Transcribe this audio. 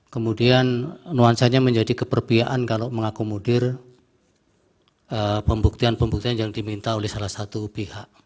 kemudian nuansanya menjadi keperbiaan kalau mengakomodir pembuktian pembuktian yang diminta oleh salah satu pihak